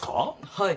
はい。